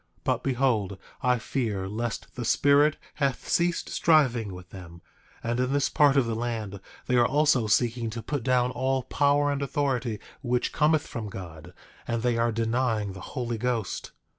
But behold, I fear lest the Spirit hath ceased striving with them; and in this part of the land they are also seeking to put down all power and authority which cometh from God; and they are denying the Holy Ghost.